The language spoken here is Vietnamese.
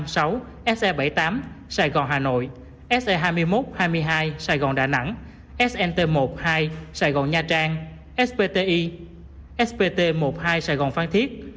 se sáu se bảy tám sài gòn hà nội se hai mươi một hai mươi hai sài gòn đà nẵng snt một hai sài gòn nha trang spt một hai sài gòn phan thiết